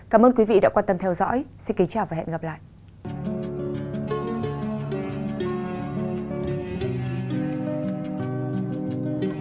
cảm ơn quý vị đã quan tâm theo dõi xin kính chào và hẹn gặp lại